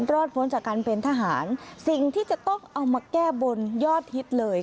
พ้นจากการเป็นทหารสิ่งที่จะต้องเอามาแก้บนยอดฮิตเลย